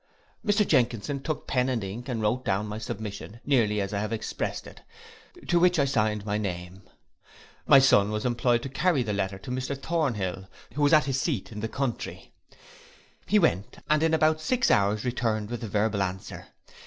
Mr Jenkinson took pen and ink, and wrote down my submission nearly as I have exprest it, to which I signed my name. My son was employed to carry the letter to Mr Thornhill, who was then at his seat in the country. He went, and in about six hours returned with a verbal answer.